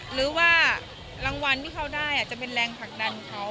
หรือว่ารางวัลที่เขาได้อาจจะเป็นแรงผลักดันเขา